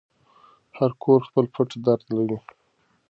هر کور خپل پټ درد لري.